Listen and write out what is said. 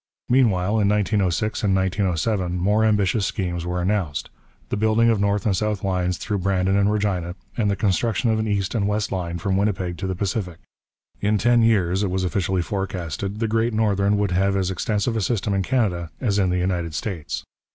Meanwhile, in 1906 and 1907, more ambitious schemes were announced the building of north and south lines through Brandon and Regina, and the construction of an east and west line from Winnipeg to the Pacific. In ten years, it was officially forecasted, the Great Northern would have as extensive a system in Canada as in the United States.